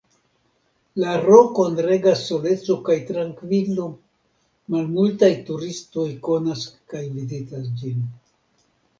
La rokon regas soleco kaj trankvilo; malmultaj turistoj konas kaj vizitas ĝin.